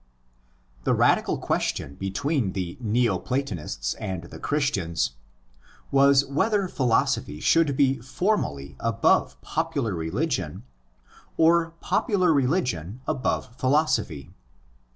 The radical question between the Neo Platonists and the Christians was whether philosophy should be formally above popular religion or popular religion above philosophy.